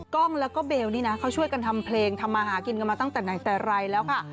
กล้องแล้วก็เบลนี่นะเขาช่วยกันทำเพลงทำมาหากินกันมาตั้งแต่ไหนแต่ไรแล้วค่ะ